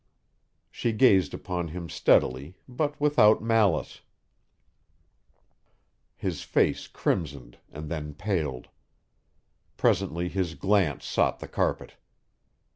She gazed upon him steadily, but without malice; his face crimsoned and then paled; presently his glance sought the carpet.